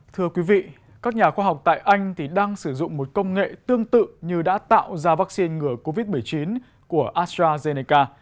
thưa quý vị các nhà khoa học tại anh thì đang sử dụng một công nghệ tương tự như đã tạo ra vaccine ngừa covid một mươi chín của astrazeneca